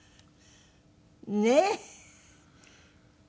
ねえ。